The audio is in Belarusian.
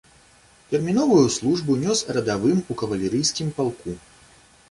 Тэрміновую службу нёс радавым у кавалерыйскім палку.